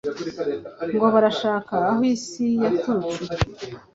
ngo barashaka aho isi yaturutse,